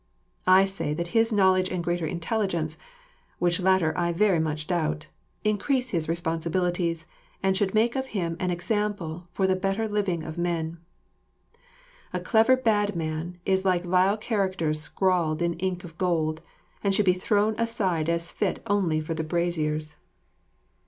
I say that his knowledge and greater intelligence (which latter I very much doubt) increase his responsibilities and should make of him an example for the better living of men. [Illustration: Mylady25.] A clever bad man is like vile characters scrawled in ink of gold, and should be thrown aside as fit only for the braziers.